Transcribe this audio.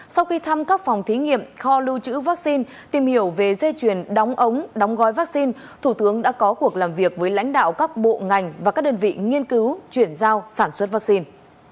sau khi thăm các phòng thí nghiệm kho lưu trữ vaccine tìm hiểu về dây chuyền đóng ống đóng gói vaccine thủ tướng đã có cuộc làm việc với lãnh đạo các bộ ngành và các đơn vị nghiên cứu chuyển giao sản xuất vaccine